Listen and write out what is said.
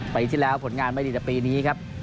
ปีที่แล้วผลงานไม่ดีแต่ปีนี้ครับ